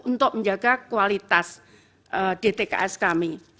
untuk menjaga kualitas dtks kami